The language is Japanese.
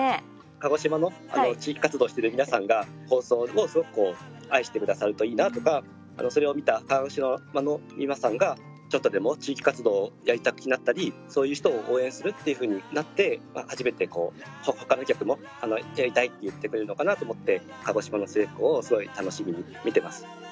鹿児島の地域活動してる皆さんが、放送をすごく愛してくださるといいなとかそれを見た鹿児島の皆さんがちょっとでも地域活動をやりたくなったり、そういう人を応援するっていうふうになって初めて他の局もやりたいって言ってくれるのかなと思って鹿児島の成功をすごい楽しみに見てます。